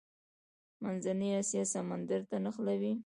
منځنۍ اسیا سمندر ته نښلوي.